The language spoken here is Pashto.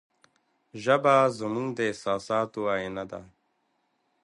ژبه زموږ د احساساتو آینه ده.